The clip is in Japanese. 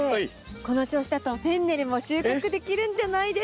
この調子だとフェンネルも収穫できるんじゃないですか？